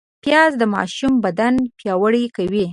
پیاز د ماشوم بدن پیاوړی کوي